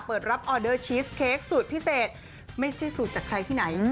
เปิดรับออเดอร์ชีสเค้กสูตรพิเศษไม่ใช่สูตรจากใครที่ไหน